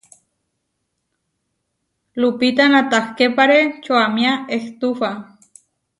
Lupita natahképare čoaméa ehtufa.